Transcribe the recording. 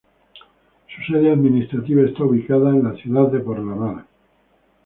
Su sede administrativa está ubicada en la ciudad de Porlamar.